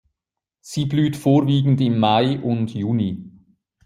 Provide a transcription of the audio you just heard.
Sie blüht vorwiegend im Mai und Juni.